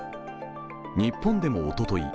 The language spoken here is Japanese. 日本でもおととい